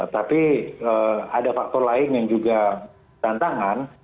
tapi ada faktor lain yang juga tantangan